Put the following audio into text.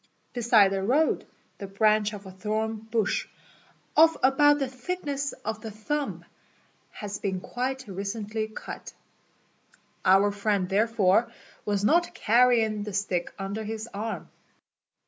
Beside the road the branch of a thorn bush, } of about the thickness of the thumb, has been quite recently cut. Our friend therefore was not carrying the stick under his arm.